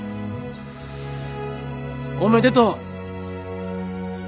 おめでとう。